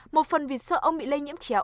một phần vì sợ ông bị lây nhiễm chéo